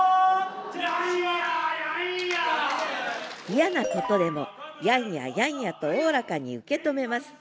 嫌なことでも「やんややんや」とおおらかに受けとめます。